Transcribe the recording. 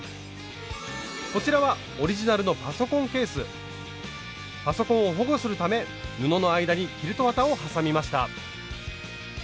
こちらはオリジナルのパソコンを保護するため布の間にキルト綿を挟みました。